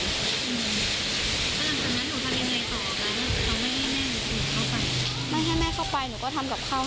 ตอนนั้นหนูทำยังไงต่อแล้วทำให้แม่เข้าไป